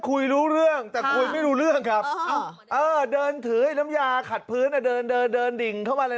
ฟอร์มเหมือนฟอร์มมาเล่นกับเด็กแล้วก็เดินเข้ามาอะไร